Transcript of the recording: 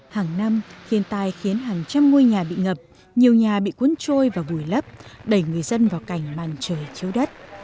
hàng năm thiên tai khiến hàng trăm ngôi nhà bị ngập nhiều nhà bị cuốn trôi và vùi lấp đẩy người dân vào cảnh màn trời chiếu đất